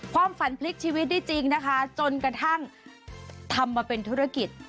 ความฝันพลิกชีวิตได้จริงนะคะจนกระทั่งทำมาเป็นธุรกิจ